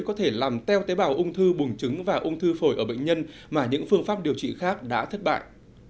có thể làm teo tế bào ung thư buồng trứng và ung thư phổi ở bệnh nhân mà những phương pháp điều trị khác đã thất bại